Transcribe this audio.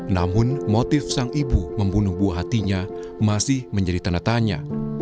namun motif sang ibu membunuh buah hatinya masih menjadi tanda tanya